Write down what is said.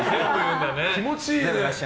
気持ちいいね。